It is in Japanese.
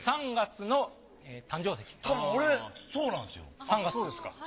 ３月の誕生石です。